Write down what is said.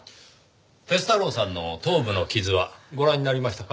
鐵太郎さんの頭部の傷はご覧になりましたか？